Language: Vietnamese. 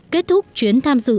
kết thúc chuyến tham dự